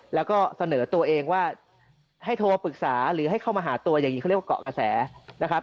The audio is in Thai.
แล้วก็เสนอตัวเองว่าให้โทรปรึกษาหรือให้เข้ามาหาตัวอย่างนี้เขาเรียกว่าเกาะกระแสนะครับ